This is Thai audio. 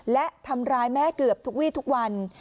และทำร้ายแม่เกือบทุกวีทุกวัน